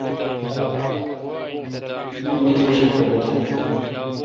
می ایݭی پپتیں۔